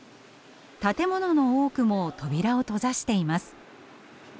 建物の多くも扉を閉ざしています。